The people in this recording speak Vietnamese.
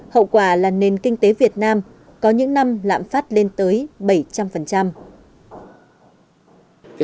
hậu quả là nền kinh tế việt nam có những năm lạm phát lên tới bảy trăm linh